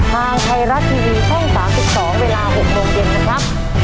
ทางไทยรัฐทีวีช่อง๓๒เวลา๖โมงเย็นนะครับ